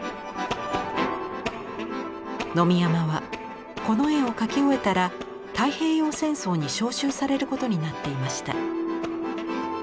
野見山はこの絵を描き終えたら太平洋戦争に召集されることになっていました。